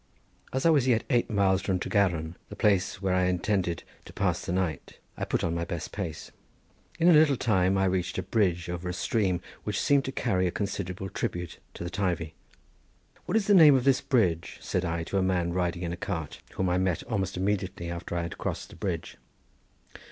As I was yet eight miles from Tregaron, the place where I intended to pass the night, I put on my best pace. In a little time I reached a bridge over a stream which seemed to carry a considerable tribute to the Teivi. "What is the name of this bridge?" said I to a man riding in a cart whom I met almost immediately after I had crossed the bridge.